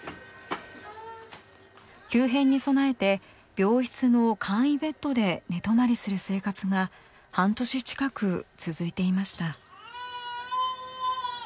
急変に備えて病室の簡易ベッドで寝泊まりする生活が半年近く続いていました。